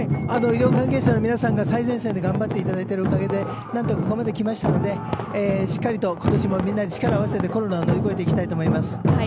医療関係者の皆さんが最前線で頑張っていただいているおかげで何とかここまできましたので、しっかりと今年もみんなで力を合わせてコロナを乗り越えていきたいと思います。